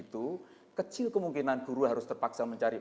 sehingga dengan begitu kemungkinan guru harus terpaksa mencari memata pelajaran lain